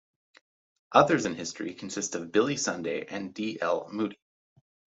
Others in history consist of Billy Sunday and D. L. Moody.